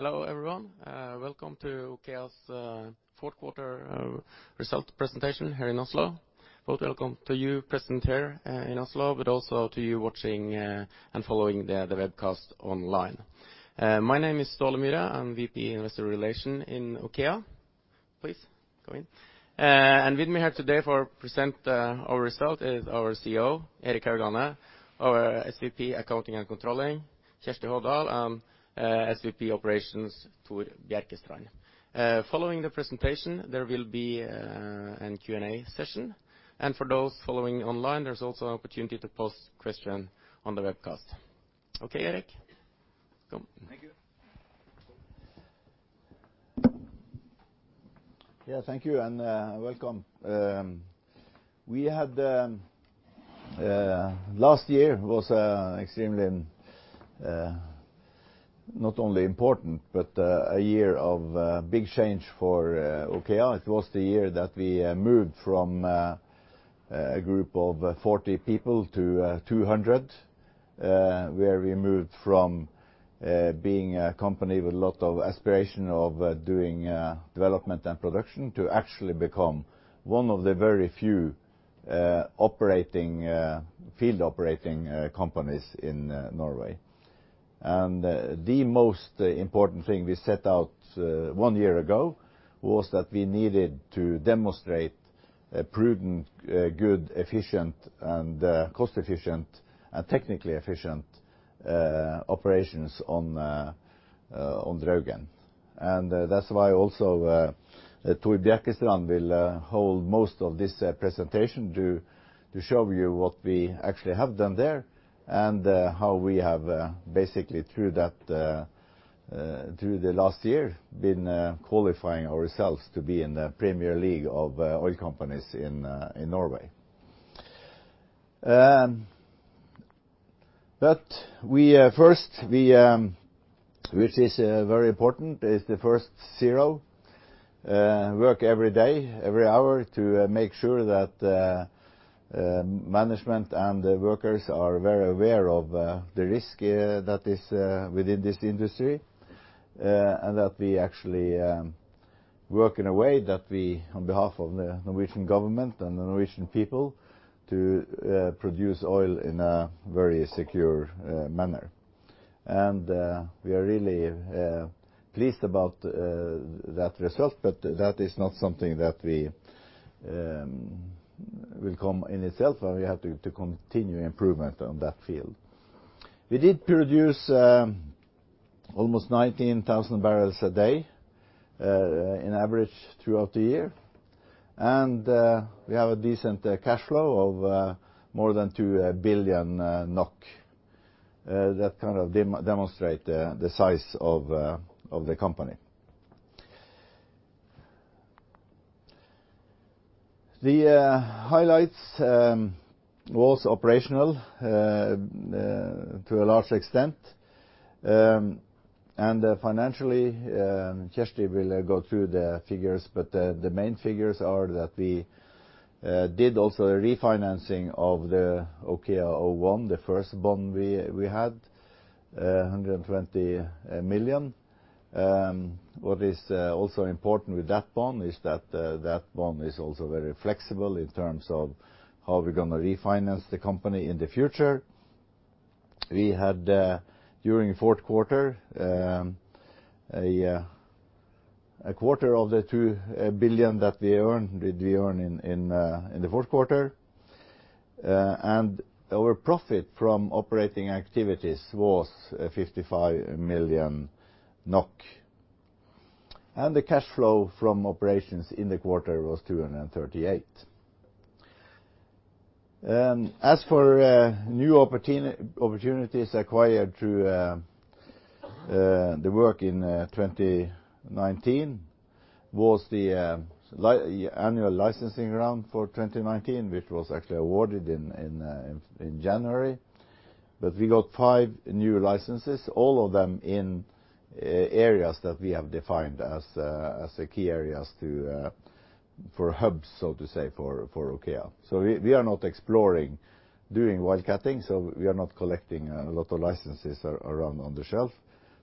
Hello, everyone. Welcome to OKEA's fourth quarter result presentation here in Oslo. Both welcome to you present here in Oslo, but also to you watching and following the webcast online. My name is Ståle Myhre. I'm VP Investor Relations in OKEA. Please, go in. With me here today for present our result is our CEO, Erik Haugane, our SVP Accounting and Controlling, Kjersti Hovdal, SVP Operations, Tor Bjerkestrand. Following the presentation, there will be an Q&A session. For those following online, there's also an opportunity to post question on the webcast. Okay, Erik. Go. Thank you. Yeah, thank you, and welcome. Last year was extremely, not only important, but a year of big change for OKEA. It was the year that we moved from a group of 40 people to 200, where we moved from being a company with a lot of aspiration of doing development and production, to actually become one of the very few field-operating companies in Norway. The most important thing we set out one year ago, was that we needed to demonstrate a prudent, good, efficient, and cost-efficient, and technically efficient operations on Draugen. That's why also Tor Bjerkestrand will hold most of this presentation to show you what we actually have done there, and how we have basically through the last year been qualifying ourselves to be in the premier league of oil companies in Norway. First, which is very important, is the first zero, work every day, every hour to make sure that management and the workers are very aware of the risk that is within this industry. That we actually work in a way that we, on behalf of the Norwegian government and the Norwegian people, to produce oil in a very secure manner. We are really pleased about that result, but that is not something that will come in itself, and we have to continue improvement on that field. We did produce almost 19,000 bbl a day in average throughout the year. We have a decent cash flow of more than 2 billion NOK. That kind of demonstrate the size of the company. The highlights was operational to a large extent. Financially, Kjersti will go through the figures, but the main figures are that we did also a refinancing of the OKEA01, the first bond we had, 120 million. What is also important with that bond is that that bond is also very flexible in terms of how we're going to refinance the company in the future. We had, during fourth quarter, a quarter of the 2 billion that we earned did we earn in the fourth quarter. Our profit from operating activities was 55 million NOK. The cash flow from operations in the quarter was 238 million. As for new opportunities acquired through the work in 2019, was the annual licensing round for 2019, which was actually awarded in January. We got five new licenses, all of them in areas that we have defined as the key areas for hubs, so to say, for OKEA. We are not exploring doing wildcatting, we are not collecting a lot of licenses around on the shelf,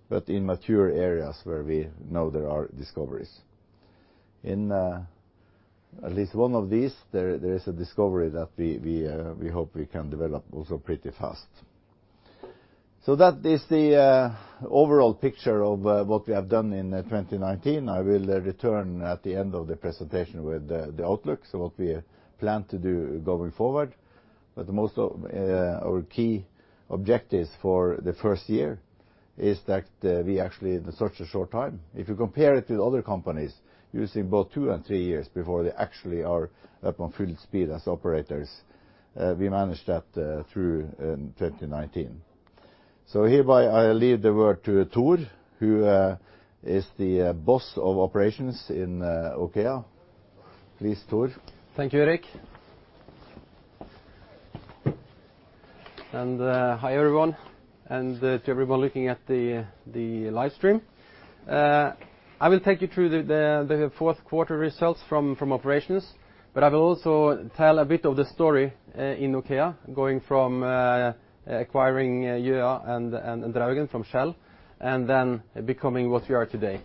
but in mature areas where we know there are discoveries. In at least one of these, there is a discovery that we hope we can develop also pretty fast. That is the overall picture of what we have done in 2019. I will return at the end of the presentation with the outlook, what we plan to do going forward. Our key objectives for the first year is that we actually, in such a short time, if you compare it to other companies, using both two and three years before they actually are up on full speed as operators, we managed that through in 2019. Hereby I leave the word to Tor, who is the boss of operations in OKEA. Please, Tor. Thank you, Erik. Hi, everyone, and to everyone looking at the live stream. I will take you through the fourth quarter results from operations, but I will also tell a bit of the story in OKEA, going from acquiring Gjøa and Draugen from Shell and then becoming what we are today.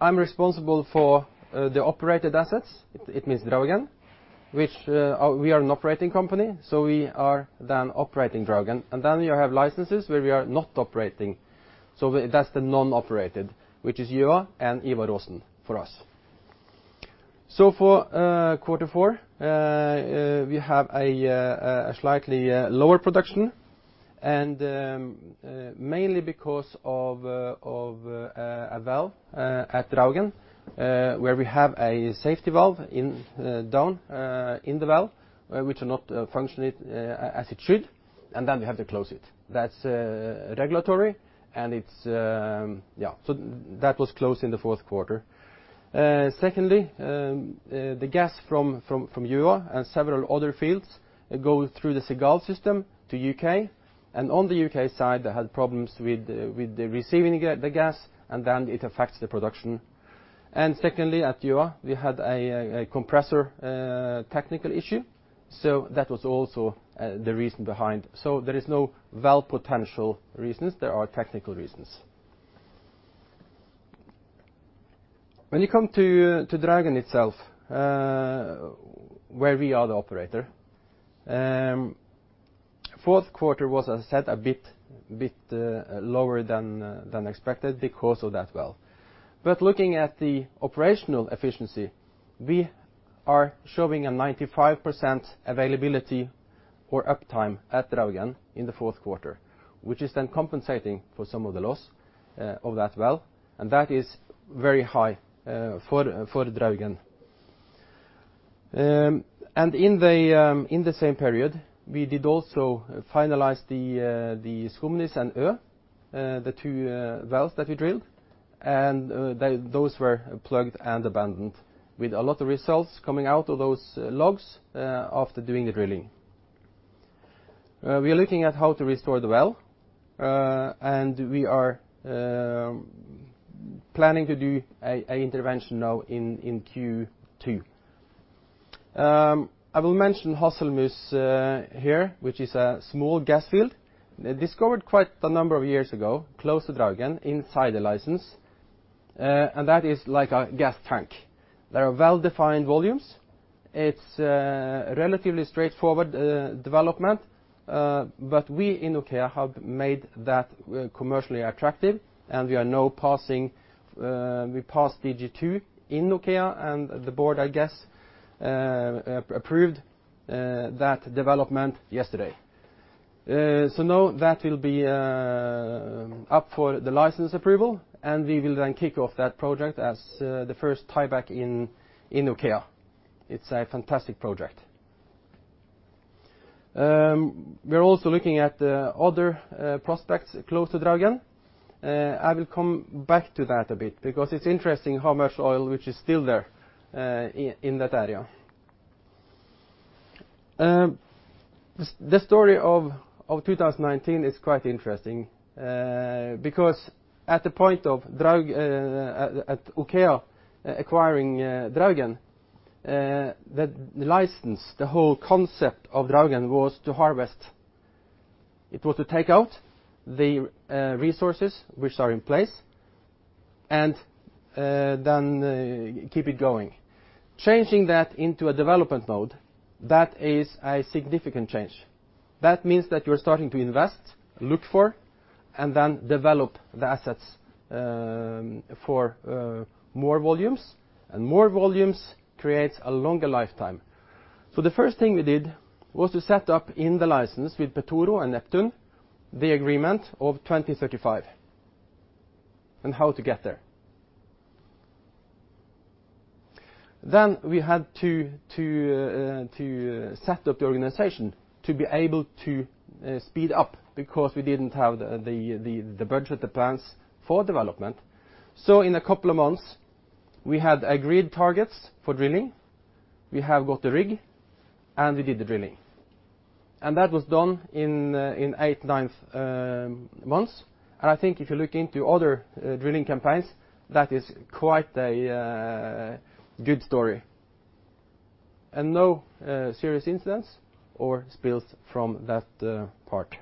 I'm responsible for the operated assets. It means Draugen. We are an operating company, so we are then operating Draugen, and then we have licenses where we are not operating. That's the non-operated, which is Gjøa and Ivar Aasen for us. For quarter four, we have a slightly lower production and mainly because of a well at Draugen, where we have a safety valve in down in the well, which are not functioning as it should, and then we have to close it. That's regulatory and it's Yeah. That was closed in the fourth quarter. The gas from Gjøa and several other fields go through the SEGAL system to U.K. and on the U.K. side, they had problems with receiving the gas and then it affects the production. Secondly, at Gjøa, we had a compressor technical issue, so that was also the reason behind. There is no well potential reasons. There are technical reasons. When you come to Draugen itself, where we are the operator, fourth quarter was, as I said, a bit lower than expected because of that well. Looking at the operational efficiency, we are showing a 95% availability or uptime at Draugen in the fourth quarter, which is then compensating for some of the loss of that well, and that is very high for Draugen. In the same period, we did also finalize the Skumnisse and Ø, the two wells that we drilled, and those were plugged and abandoned with a lot of results coming out of those logs after doing the drilling. We are looking at how to restore the well, and we are planning to do an intervention now in Q2. I will mention Hasselmus here, which is a small gas field discovered quite a number of years ago, close to Draugen inside the license. That is like a gas tank. There are well-defined volumes. It's a relatively straightforward development, but we in OKEA have made that commercially attractive and we passed DG II in OKEA and the board, I guess, approved that development yesterday. Now that will be up for the license approval and we will then kick off that project as the first tieback in OKEA. It's a fantastic project. We are also looking at other prospects close to Draugen. I will come back to that a bit because it's interesting how much oil which is still there in that area. The story of 2019 is quite interesting, because at the point of OKEA acquiring Draugen, the license, the whole concept of Draugen was to harvest. It was to take out the resources which are in place and then keep it going. Changing that into a development mode, that is a significant change. That means that you are starting to invest, look for, and then develop the assets for more volumes, and more volumes creates a longer lifetime. The first thing we did was to set up in the license with Petoro and Neptune the agreement of 2035 and how to get there. We had to set up the organization to be able to speed up because we didn't have the budgeted plans for development. In a couple of months, we had agreed targets for drilling. We have got the rig, and we did the drilling. That was done in eight, nine months. I think if you look into other drilling campaigns, that is quite a good story. No serious incidents or spills from that part.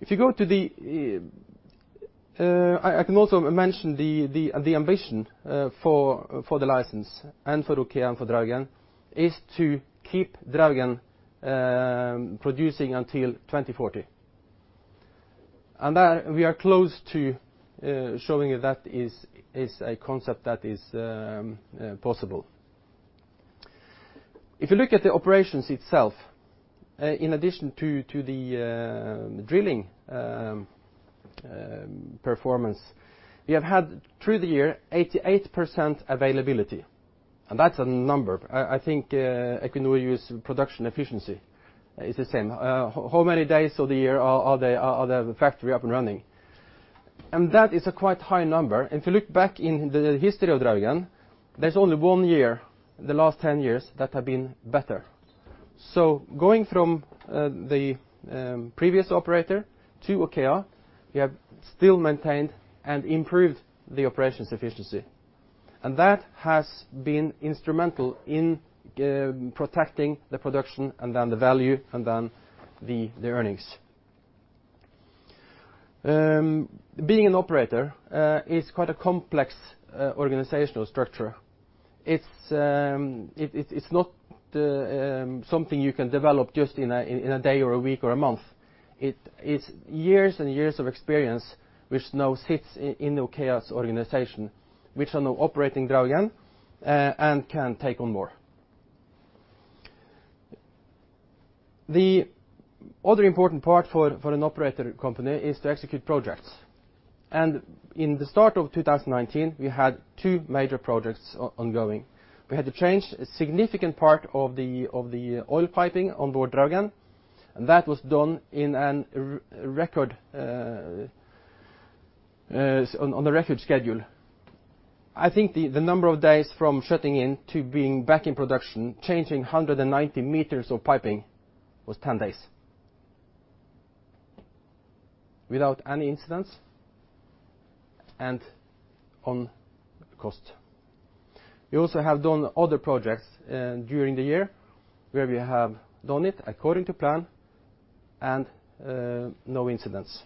I can also mention the ambition for the license and for OKEA and for Draugen is to keep Draugen producing until 2040. That we are close to showing that is a concept that is possible. If you look at the operations itself, in addition to the drilling performance, we have had through the year 88% availability. That's a number. I think Equinor use production efficiency is the same. How many days of the year are the factory up and running? That is a quite high number. If you look back in the history of Draugen, there's only one year in the last 10 years that have been better. Going from the previous operator to OKEA, we have still maintained and improved the operations efficiency, and that has been instrumental in protecting the production, and then the value, and then the earnings. Being an operator is quite a complex organizational structure. It's not something you can develop just in a day or a week or a month. It's years and years of experience, which now sits in OKEA's organization, which are now operating Draugen, and can take on more. The other important part for an operator company is to execute projects. In the start of 2019, we had two major projects ongoing. We had to change a significant part of the oil piping on board Draugen, and that was done on the record schedule. I think the number of days from shutting in to being back in production, changing 190 meters of piping, was 10 days. Without any incidents and on cost. We also have done other projects during the year, where we have done it according to plan and no incidents.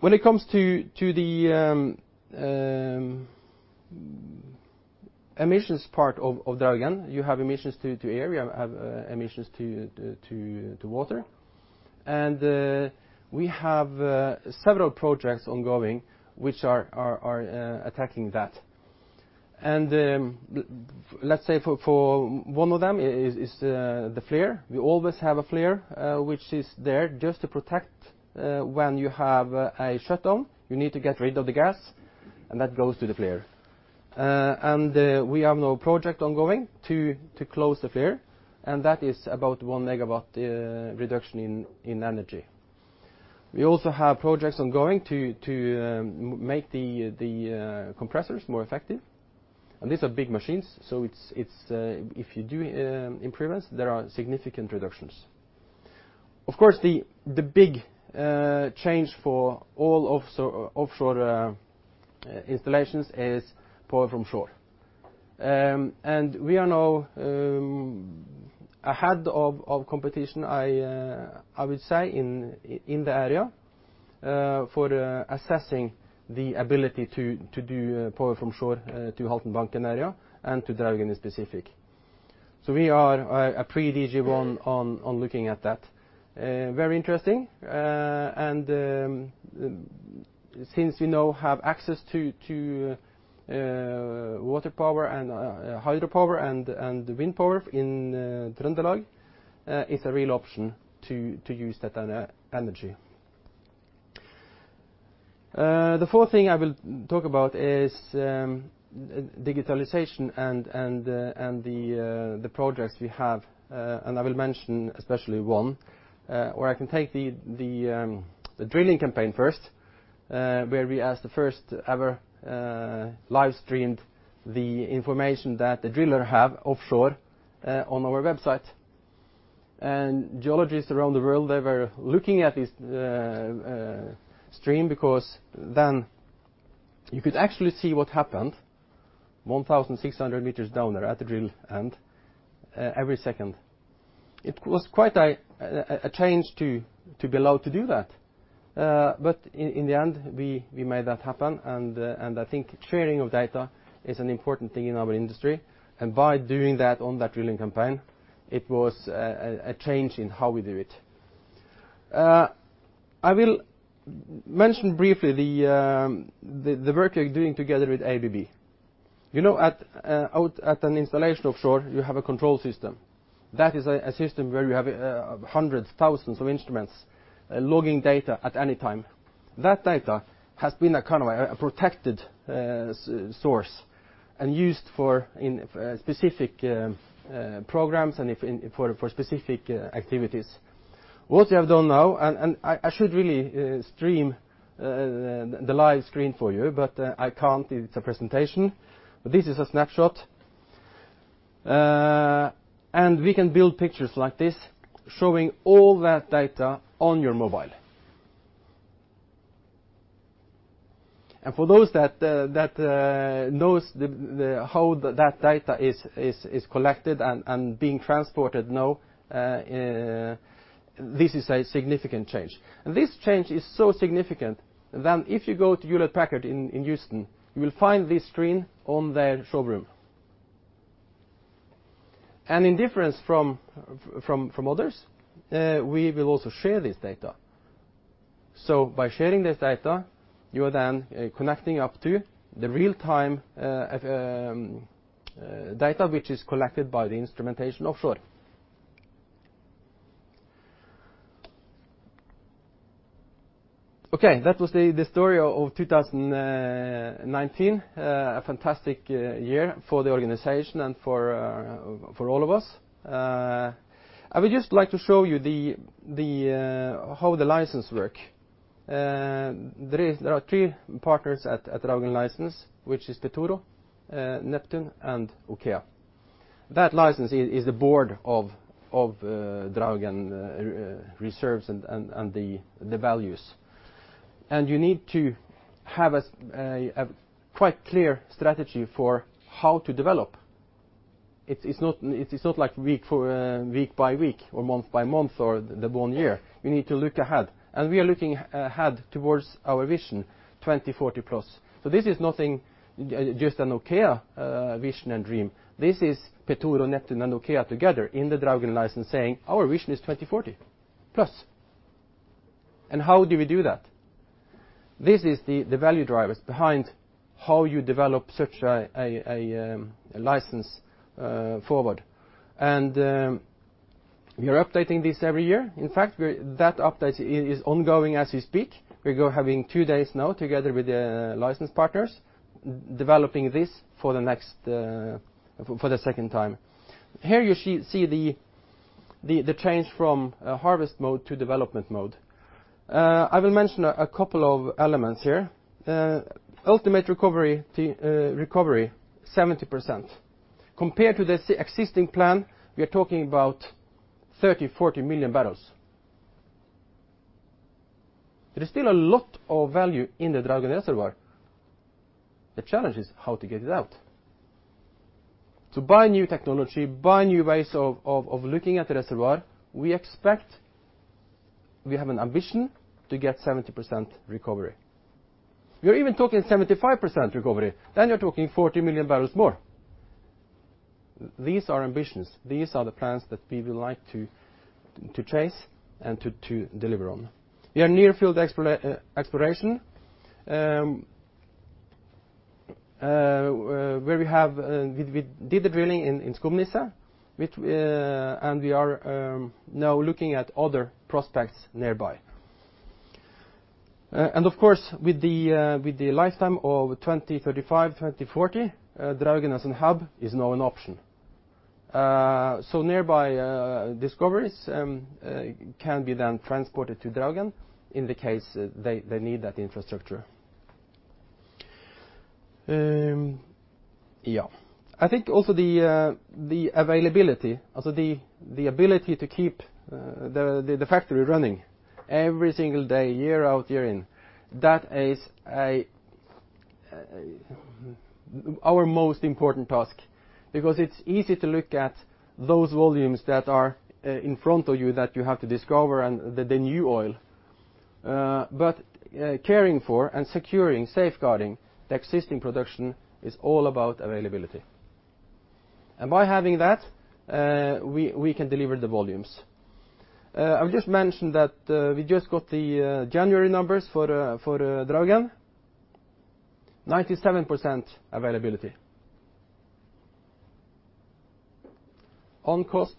When it comes to the emissions part of Draugen, you have emissions to air, you have emissions to water. We have several projects ongoing which are attacking that. Let's say for one of them is the flare. We always have a flare, which is there just to protect when you have a shutdown, you need to get rid of the gas, and that goes to the flare. We have now a project ongoing to close the flare, and that is about 1 MW reduction in energy. We also have projects ongoing to make the compressors more effective. These are big machines, so if you do improvements, there are significant reductions. Of course, the big change for all offshore installations is power from shore. We are now ahead of competition, I would say, in the area for assessing the ability to do power from shore to Haltenbanken area and to Draugen in specific. We are pretty busy on looking at that. Very interesting. Since we now have access to water power and hydropower and wind power in Trøndelag, it's a real option to use that energy. The fourth thing I will talk about is digitalization and the projects we have, and I will mention especially one. I can take the drilling campaign first, where we, as the first-ever, live-streamed the information that the driller have offshore on our website. Geologists around the world, they were looking at this stream because then you could actually see what happened 1,600 meters down there at the drill end every second. It was quite a change to be allowed to do that. In the end, we made that happen and I think sharing of data is an important thing in our industry. By doing that on that drilling campaign, it was a change in how we do it. I will mention briefly the work we are doing together with ABB. Out at an installation offshore, you have a control system. That is a system where you have hundreds, thousands of instruments logging data at any time. That data has been a kind of a protected source and used for specific programs and for specific activities. What we have done now, and I should really stream the live screen for you, but I can't, it's a presentation. This is a snapshot, and we can build pictures like this showing all that data on your mobile. For those that knows how that data is collected and being transported now, this is a significant change. This change is so significant than if you go to Hewlett Packard in Houston, you will find this screen on their showroom. In difference from others, we will also share this data. By sharing this data, you are connecting up to the real-time data, which is collected by the instrumentation offshore. Okay, that was the story of 2019. A fantastic year for the organization and for all of us. I would just like to show you how the license work. There are three partners at Draugen license, which is Petoro, Neptune, and OKEA. That license is the board of Draugen reserves and the values. You need to have a quite clear strategy for how to develop. It's not like week by week or month by month or the one year. We need to look ahead, and we are looking ahead towards our vision, 2040 plus. This is nothing, just an OKEA vision and dream. This is Petoro, Neptune, and OKEA together in the Draugen license saying, "Our vision is 2040 plus." How do we do that? This is the value drivers behind how you develop such a license forward. We are updating this every year. In fact, that update is ongoing as we speak. We're having two days now together with the license partners developing this for the second time. Here you see the change from harvest mode to development mode. I will mention a couple of elements here. Ultimate recovery, 70%. Compared to the existing plan, we are talking about 30 million-40 million bbl. There is still a lot of value in the Draugen reservoir. The challenge is how to get it out. To buy new technology, buy new ways of looking at the reservoir, we expect we have an ambition to get 70% recovery. We are even talking 75% recovery. You're talking 40 million bbl more. These are ambitions. These are the plans that we would like to chase and to deliver on. We are near field exploration, where we did the drilling in Skumnisse, and we are now looking at other prospects nearby. Of course, with the lifetime of 2035, 2040, Draugen as a hub is now an option. Nearby discoveries can be then transported to Draugen in the case they need that infrastructure. I think also the availability, also the ability to keep the factory running every single day, year out, year in, that is our most important task because it's easy to look at those volumes that are in front of you that you have to discover and the new oil. Caring for and securing, safeguarding the existing production is all about availability. By having that, we can deliver the volumes. I will just mention that we just got the January numbers for Draugen, 97% availability. On cost,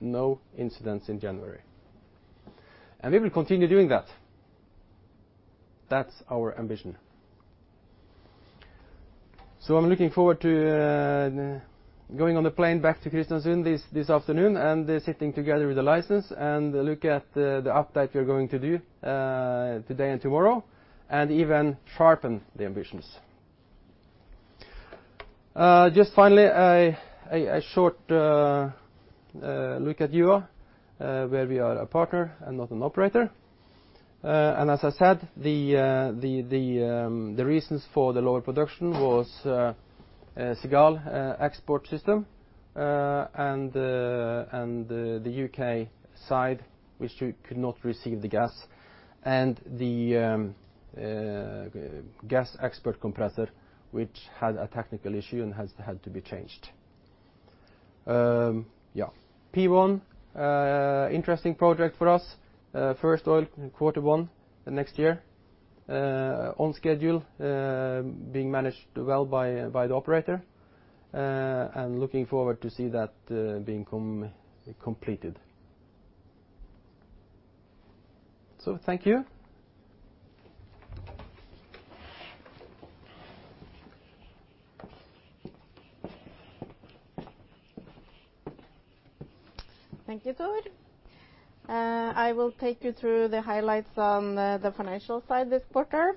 no incidents in January. We will continue doing that. That's our ambition. I'm looking forward to going on the plane back to Kristiansund this afternoon and sitting together with the license and look at the update we are going to do today and tomorrow and even sharpen the ambitions. Just finally, a short look at Gjøa, where we are a partner and not an operator. As I said, the reasons for the lower production was SEGAL export system and the U.K. side, which could not receive the gas and the gas export compressor, which had a technical issue and had to be changed. P1 interesting project for us. First oil in quarter one next year, on schedule, being managed well by the operator, and looking forward to see that being completed. Thank you. Thank you, Tor. I will take you through the highlights on the financial side this quarter.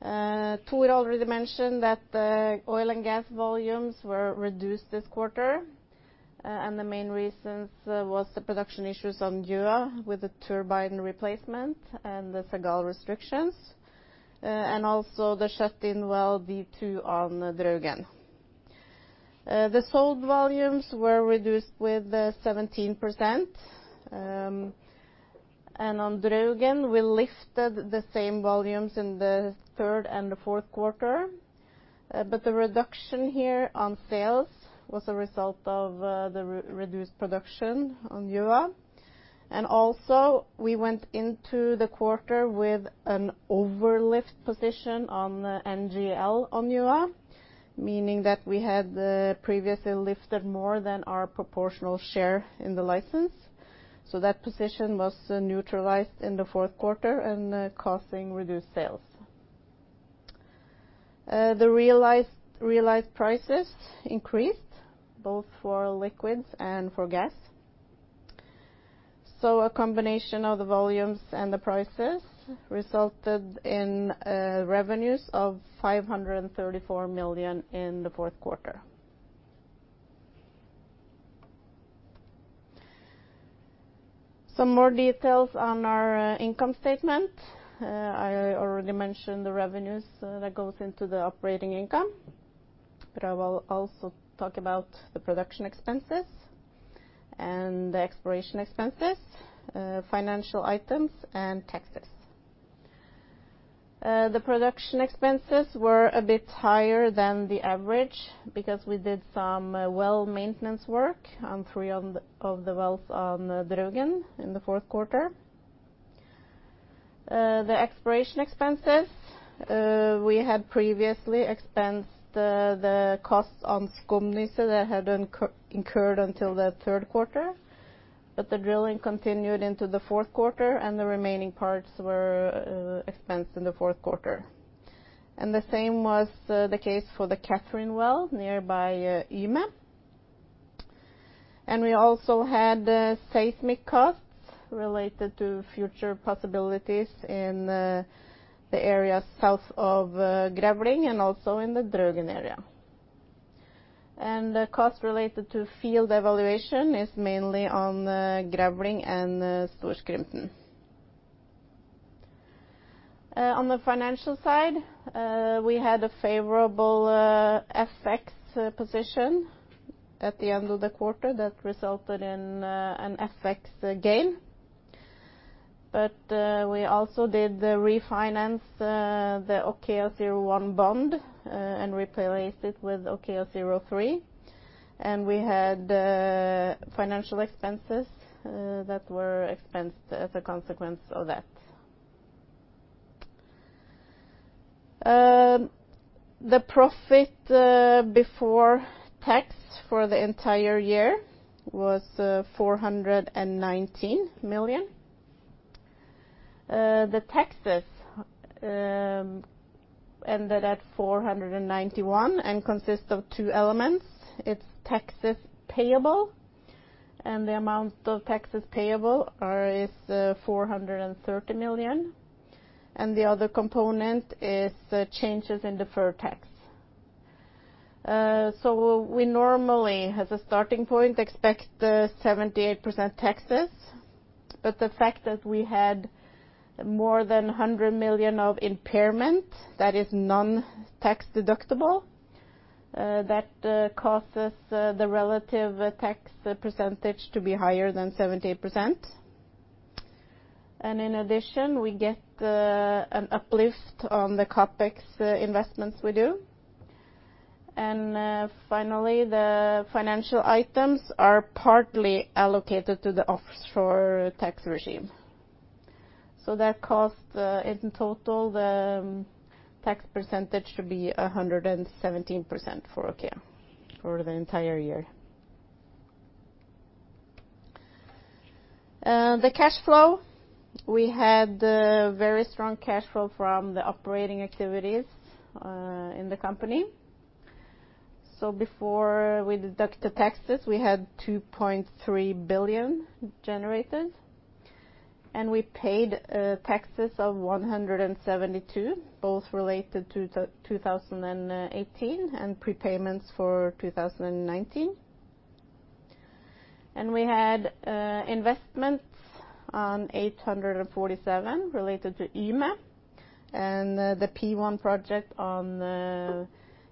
Tor already mentioned that the oil and gas volumes were reduced this quarter. The main reasons was the production issues on Gjøa with the turbine replacement and the SEGAL restrictions, also the shut-in well D2 on Draugen. The sold volumes were reduced with 17%. On Draugen, we lifted the same volumes in the third and the fourth quarter. The reduction here on sales was a result of the reduced production on Gjøa. Also we went into the quarter with an over-lift position on NGL on Gjøa, meaning that we had previously lifted more than our proportional share in the license. That position was neutralized in the fourth quarter and causing reduced sales. The realized prices increased both for liquids and for gas. A combination of the volumes and the prices resulted in revenues of 534 million in the fourth quarter. Some more details on our income statement. I already mentioned the revenues that goes into the operating income, but I will also talk about the production expenses and the exploration expenses, financial items and taxes. The production expenses were a bit higher than the average because we did some well maintenance work on three of the wells on Draugen in the fourth quarter. The exploration expenses, we had previously expensed the cost on Skumnisse that had incurred until the third quarter, but the drilling continued into the fourth quarter, and the remaining parts were expensed in the fourth quarter. The same was the case for the Catherine Well nearby Yme. We also had seismic costs related to future possibilities in the area South Grevling and also in the Draugen area. The cost related to field evaluation is mainly on Grevling and Storskrymten. On the financial side, we had a favorable FX position at the end of the quarter that resulted in an FX gain. We also did the refinance the OKEA01 bond and replaced it with OKEA03, and we had financial expenses that were expensed as a consequence of that. The profit before tax for the entire year was 419 million. The taxes ended at 491 and consists of two elements. It's taxes payable and the amount of taxes payable is 430 million, and the other component is changes in deferred tax. We normally, as a starting point, expect the 78% taxes. The fact that we had more than 100 million of impairment, that is non-tax deductible, that causes the relative tax percentage to be higher than 78%. In addition, we get an uplift on the CapEx investments we do. Finally, the financial items are partly allocated to the offshore tax regime. That cost in total, the tax percentage to be 117% for OKEA for the entire year. The cash flow, we had very strong cash flow from the operating activities in the company. Before we deduct the taxes, we had 2.3 billion generated, and we paid taxes of 172, both related to 2018 and prepayments for 2019. We had investments on 847 related to Yme and the P1 project on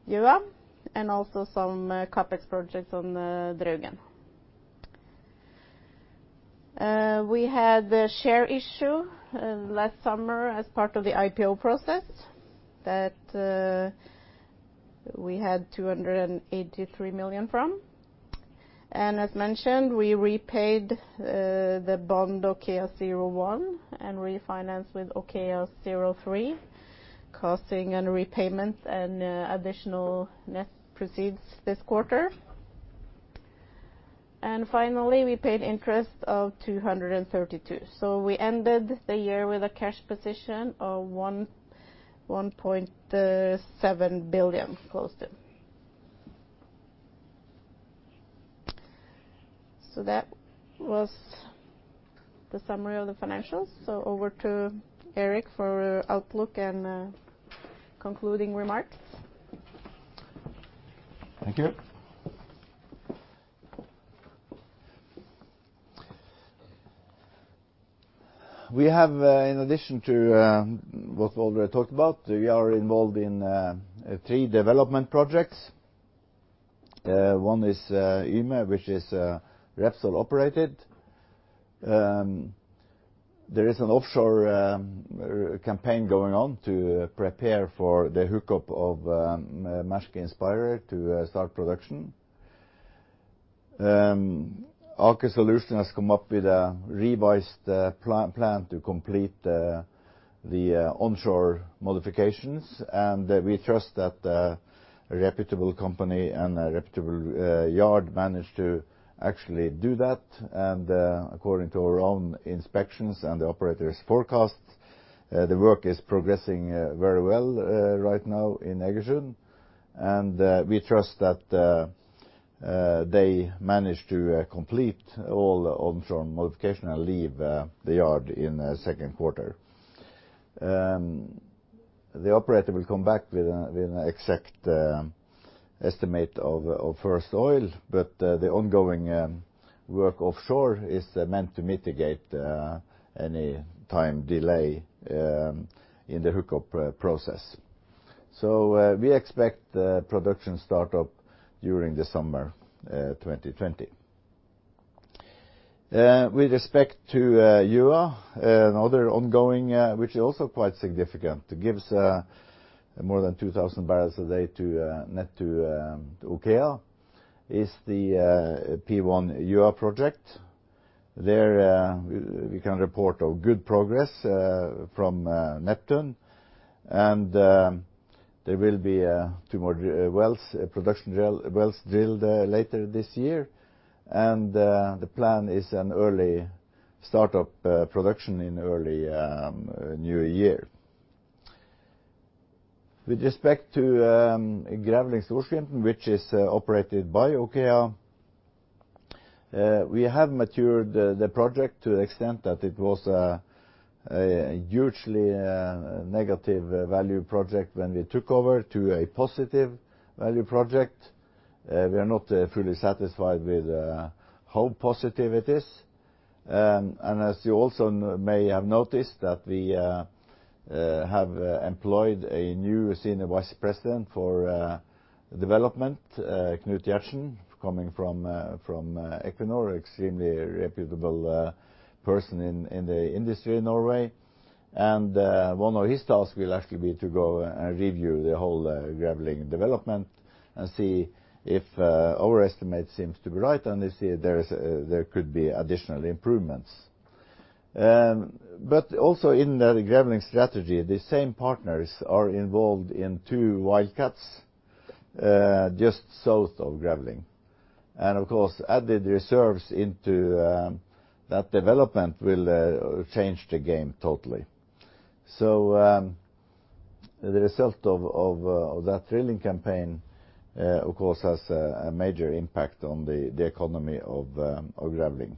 Gjøa and also some CapEx projects on Draugen. We had the share issue last summer as part of the IPO process that we had 283 million from. As mentioned, we repaid the bond OKEA01 and refinance with OKEA03, costing and repayment and additional net proceeds this quarter. Finally, we paid interest of 232. We ended the year with a cash position of 1.7 billion, close to. That was the summary of the financials. Over to Erik for outlook and concluding remarks. Thank you. We have, in addition to what we already talked about, we are involved in three development projects. One is Yme, which is Repsol operated. There is an offshore campaign going on to prepare for the hookup of Maersk Inspirer to start production. Aker Solutions has come up with a revised plan to complete the onshore modifications. We trust that a reputable company and a reputable yard managed to actually do that. According to our own inspections and the operator's forecasts. The work is progressing very well right now in Egersund, and we trust that they manage to complete all the offshore modification and leave the yard in the second quarter. The operator will come back with an exact estimate of first oil. The ongoing work offshore is meant to mitigate any time delay in the hookup process. We expect production start-up during the summer 2020. With respect to Gjøa, another ongoing which is also quite significant, gives more than 2,000 bbl a day net to OKEA, is the P1 Gjøa project. There we can report a good progress from Neptune, and there will be two more production wells drilled later this year. The plan is an early start-up production in early new year. With respect to Grevling Sør, which is operated by OKEA, we have matured the project to the extent that it was a hugely negative value project when we took over to a positive value project. We are not fully satisfied with how positive it is. As you also may have noticed, that we have employed a new Senior Vice President for development, Knut Gjertsen, coming from Equinor, extremely reputable person in the industry in Norway. One of his tasks will actually be to go and review the whole Grevling development and see if our estimate seems to be right, and to see if there could be additional improvements. Also in the Grevling strategy, the same partners are involved in two wildcats, just south of Grevling. Of course, added reserves into that development will change the game totally. The result of that drilling campaign, of course, has a major impact on the economy of Grevling.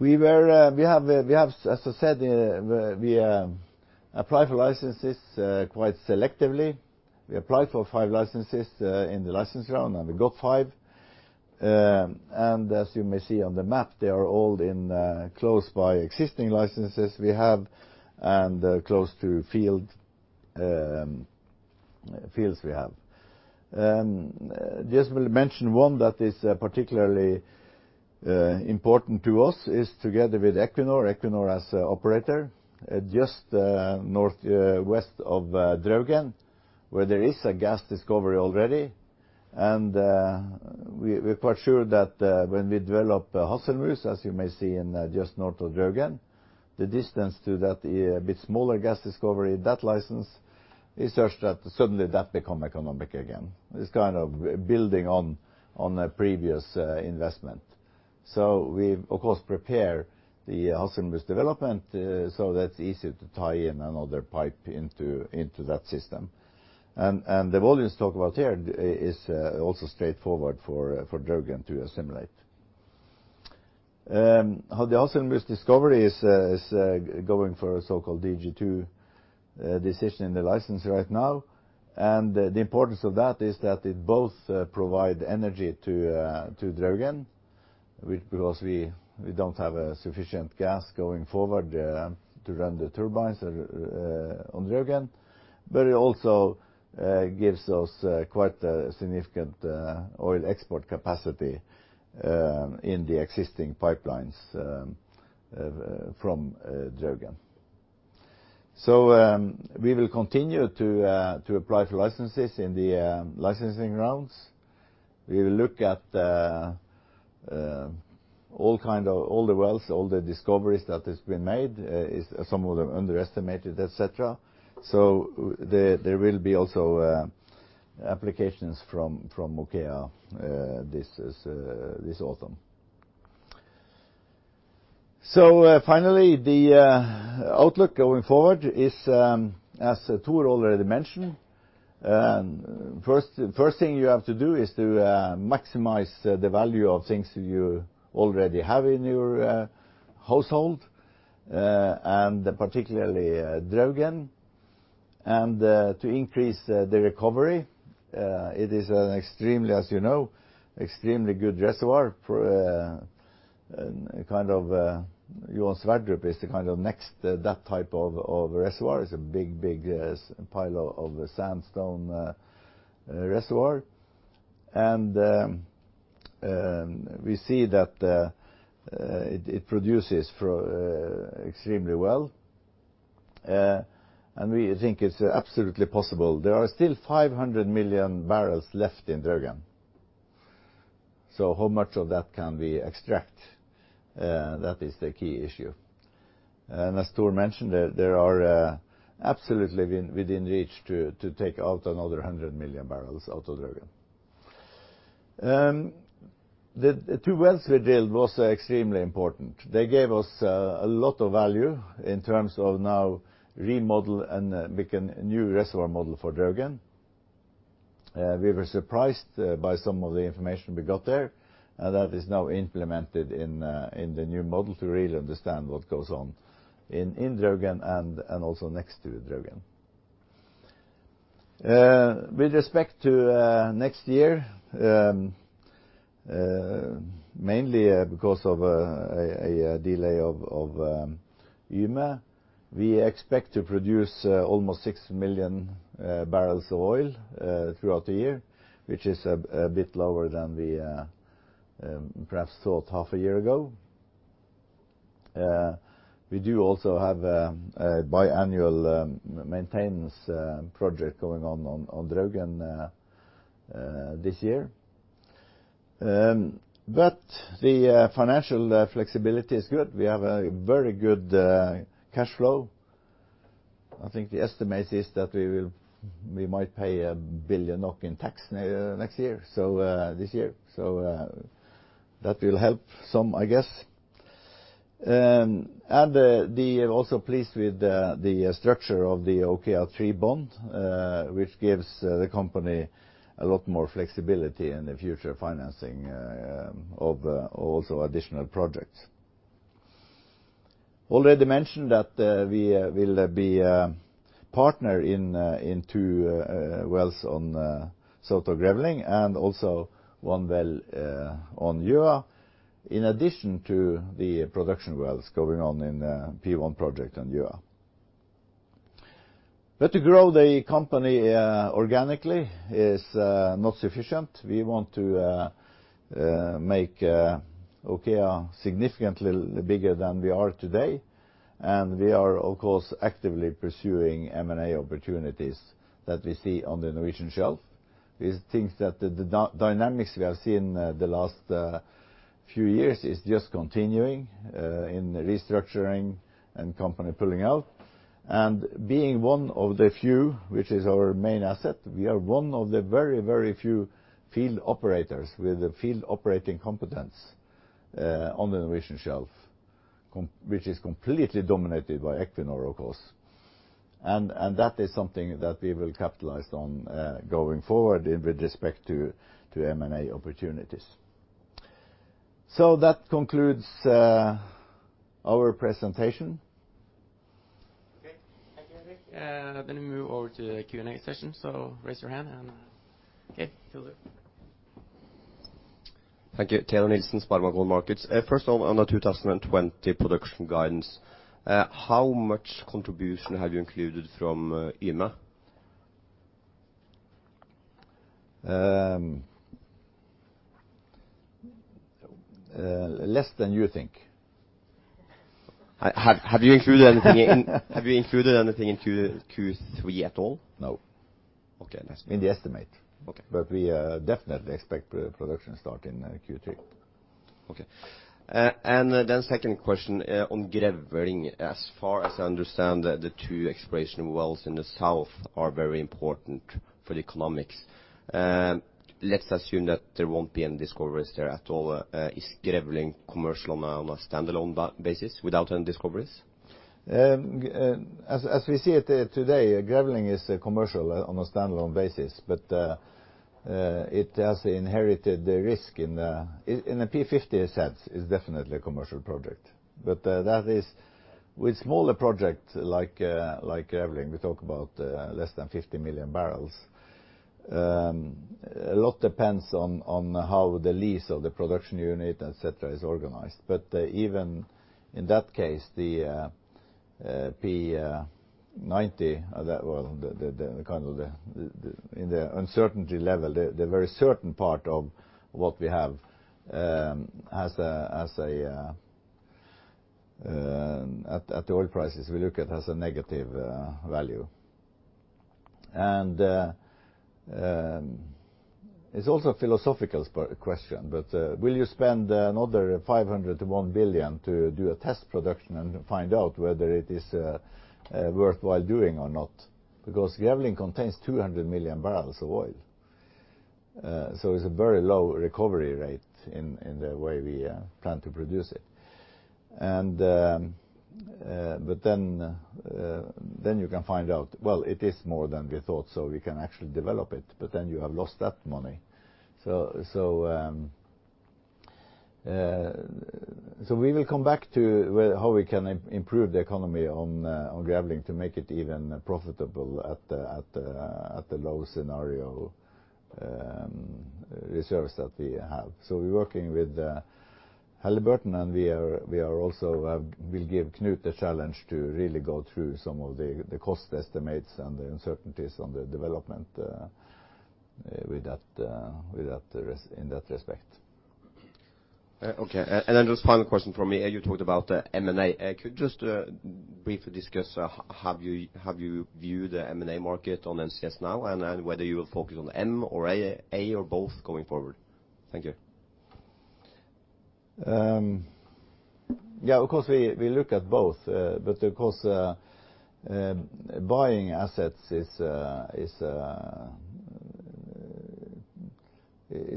As I said, we apply for licenses quite selectively. We apply for five licenses in the license round, and we got five. As you may see on the map, they are all in close by existing licenses we have and close to fields we have. Just will mention one that is particularly important to us is together with Equinor as operator, just northwest of Draugen, where there is a gas discovery already. We're quite sure that when we develop Hasselmus, as you may see in just north of Draugen, the distance to that, a bit smaller gas discovery, that license is such that suddenly that become economic again. It's kind of building on a previous investment. We, of course, prepare the Hasselmus development, so that's easier to tie in another pipe into that system. The volumes talked about here is also straightforward for Draugen to assimilate. The Hasselmus discovery is going for a so-called DG2 decision in the license right now. The importance of that is that it both provide energy to Draugen, because we don't have a sufficient gas going forward to run the turbines on Draugen, but it also gives us quite a significant oil export capacity in the existing pipelines from Draugen. We will continue to apply for licenses in the licensing rounds. We will look at all the wells, all the discoveries that has been made. Some of them underestimated, et cetera. There will be also applications from OKEA this autumn. Finally, the outlook going forward is, as Tor already mentioned, first thing you have to do is to maximize the value of things you already have in your household, and particularly Draugen. To increase the recovery, it is, as you know, extremely good reservoir. Johan Sverdrup is the kind of next that type of reservoir. It's a big pile of sandstone reservoir. We see that it produces extremely well. We think it's absolutely possible. There are still 500 million bbl left in Draugen. How much of that can we extract? That is the key issue. As Tor mentioned, there are absolutely within reach to take out another 100 million bbl out of Draugen. The two wells we drilled were also extremely important. They gave us a lot of value in terms of now remodel and make a new reservoir model for Draugen. We were surprised by some of the information we got there, and that is now implemented in the new model to really understand what goes on in Draugen and also next to Draugen. With respect to next year, mainly because of a delay of Yme, we expect to produce almost six million bbl of oil throughout the year, which is a bit lower than we perhaps thought half a year ago. The financial flexibility is good. We do also have a biannual maintenance project going on Draugen this year. We have a very good cash flow. I think the estimate is that we might pay 1 billion NOK in tax this year. That will help some, I guess. We are also pleased with the structure of the OKEA03 bond, which gives the company a lot more flexibility in the future financing of also additional projects. We already mentioned that we will be a partner in two wells on South Grevling and also one well on Yme, in addition to the production wells going on in P1 project on Yme. To grow the company organically is not sufficient. We want to make OKEA significantly bigger than we are today, and we are, of course, actively pursuing M&A opportunities that we see on the Norwegian shelf. We think that the dynamics we have seen the last few years is just continuing in restructuring and company pulling out. Being one of the few, which is our main asset, we are one of the very, very few field operators with the field operating competence on the Norwegian shelf, which is completely dominated by Equinor, of course. That is something that we will capitalize on, going forward with respect to M&A opportunities. That concludes our presentation. Okay. Thank you, Erik. We move over to the Q&A session. Raise your hand and Okay, Teodor. Thank you. Teodor Nilsen, SpareBank 1 Markets. First of all, on the 2020 production guidance, how much contribution have you included from Yme? Less than you think. Have you included anything in Q3 at all? No. Okay. In the estimate. Okay. We definitely expect production start in Q3. Okay. Second question on Grevling. As far as I understand, the two exploration wells in the south are very important for the economics. Let's assume that there won't be any discoveries there at all. Is Grevling commercial on a standalone basis without any discoveries? As we see it today, Grevling is commercial on a standalone basis, but it has inherited the risk. In a P50 sense, it's definitely a commercial project. With smaller projects like Grevling, we talk about less than 50 million bbl. A lot depends on how the lease of the production unit, et cetera, is organized. Even in that case, the P90, the uncertainty level, the very certain part of what we have at the oil prices we look at has a negative value. It's also a philosophical question, but will you spend another 500 million to 1 billion to do a test production and find out whether it is worthwhile doing or not? Grevling contains 200 million bbl of oil. It's a very low recovery rate in the way we plan to produce it. Then you can find out, well, it is more than we thought, so we can actually develop it, but then you have lost that money. We will come back to how we can improve the economy on Grevling to make it even profitable at the low scenario reserves that we have. We're working with Halliburton, and we are also will give Knut the challenge to really go through some of the cost estimates and the uncertainties on the development in that respect. Okay. Just final question from me. You talked about M&A. Could you just briefly discuss how you view the M&A market on NCS now, and whether you will focus on the M or A or both going forward? Thank you. Of course, we look at both. Because buying assets is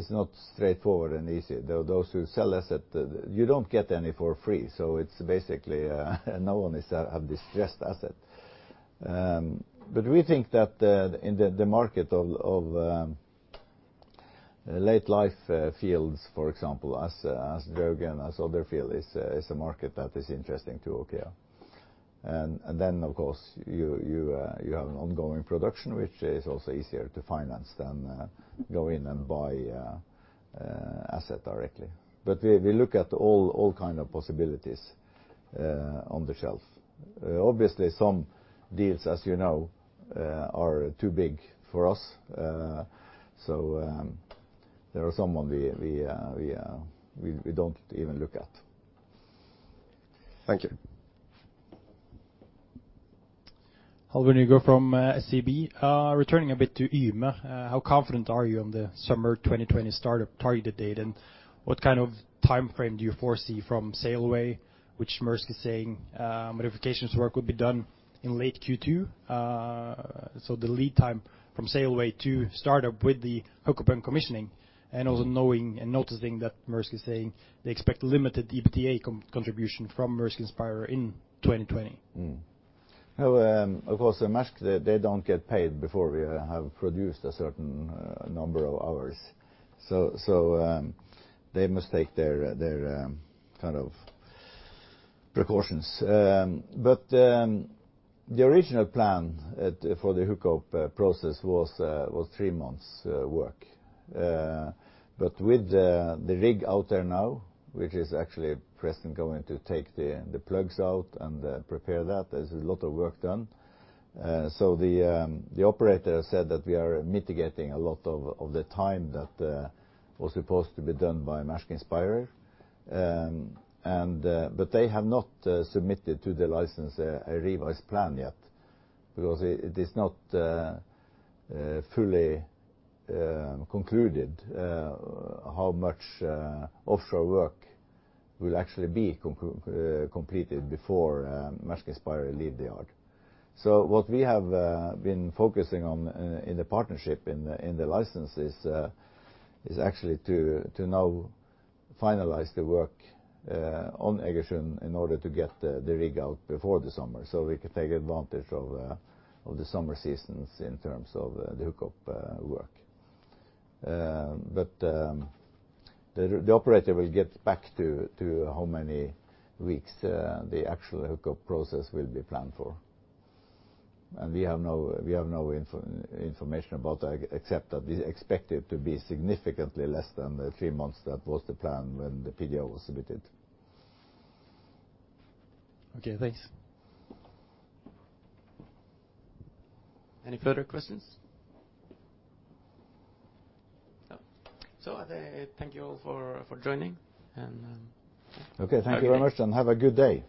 not straightforward and easy. Those who sell assets, you don't get any for free. It's basically, no one is at a distressed asset. We think that in the market of late-life fields, for example, as Draugen and as other field is a market that is interesting to OKEA. Of course, you have an ongoing production, which is also easier to finance than go in and buy asset directly. We look at all kind of possibilities on the shelf. Obviously, some deals, as you know, are too big for us. There are some we don't even look at. Thank you. Halvor Nygård from SEB. Returning a bit to Yme, how confident are you on the summer 2020 startup targeted date? What kind of timeframe do you foresee from sail away, which Maersk is saying modifications work will be done in late Q2? The lead time from sail away to start up with the hookup and commissioning, and also knowing and noticing that Maersk is saying they expect limited EBITDA contribution from Maersk Inspirer in 2020? Of course, Maersk, they don't get paid before we have produced a certain number of hours. They must take their kind of precautions. The original plan for the hookup process was three months work. With the rig out there now, which is actually at present going to take the plugs out and prepare that, there's a lot of work done. The operator said that we are mitigating a lot of the time that was supposed to be done by Maersk Inspirer. They have not submitted to the license a revised plan yet because it is not fully concluded how much offshore work will actually be completed before Maersk Inspirer leave the yard. What we have been focusing on in the partnership in the license is actually to now finalize the work on Egersund in order to get the rig out before the summer so we can take advantage of the summer seasons in terms of the hookup work. The operator will get back to how many weeks the actual hookup process will be planned for. We have no information about that except that we expect it to be significantly less than the three months that was the plan when the PDO was submitted. Okay, thanks. Any further questions? No. I thank you all for joining and. Okay. Thank you very much, and have a good day